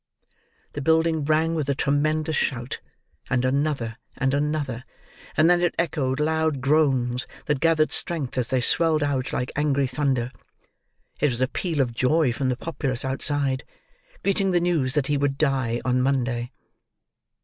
The building rang with a tremendous shout, and another, and another, and then it echoed loud groans, that gathered strength as they swelled out, like angry thunder. It was a peal of joy from the populace outside, greeting the news that he would die on Monday.